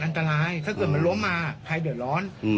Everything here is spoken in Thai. อันตรายถ้าเกิดมันล้มมาถ่ายโดยร้อน